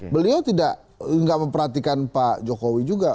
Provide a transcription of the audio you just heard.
beliau tidak memperhatikan pak jokowi juga